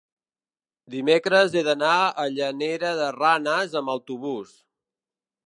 Dimecres he d'anar a Llanera de Ranes amb autobús.